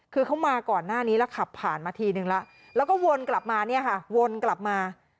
คือเขามาก่อนหน้านี้แล้วขับผ่านมาทีนึงแล้วแล้วก็วนกลับมาเนี่ยค่ะวนกลับมา